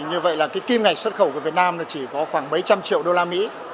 như vậy kim ngạch xuất khẩu của việt nam chỉ có khoảng bảy trăm linh triệu usd